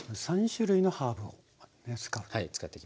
３種類のハーブを使って。